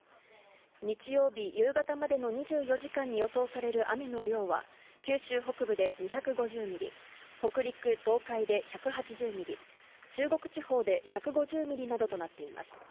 日曜日夕方までの２４時間に予想される雨の量は、九州北部で２５０ミリ、北陸、東海で１８０ミリ、中国地方で１５０ミリなどとなっています。